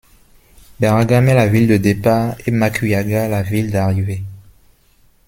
Bergame est la ville de départ, et Macugnaga la ville d'arrivée.